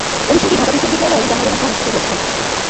অনুষ্ঠানটি ঢাকা বিশ্ববিদ্যালয়ে জানুয়ারি মাসে অনুষ্ঠিত হয়েছিলো।